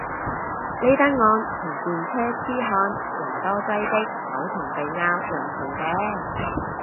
呢單案同電車痴漢人多擠迫口同鼻拗又唔同嘅